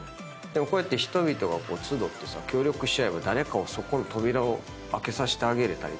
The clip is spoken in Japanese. でもこうやって人々が集って協力しちゃえばそこの扉を開けさせてあげれたり進出したり。